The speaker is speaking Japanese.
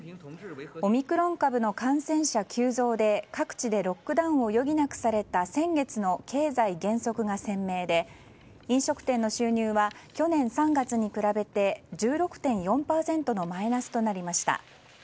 オミクロン株の感染者急増で各地でロックダウンを余儀なくされた先月の経済減速が鮮明で飲食店の収入は去年３月に比べて１６．４％のマイナスとなりました。